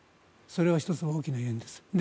それは１つの大きな要因です。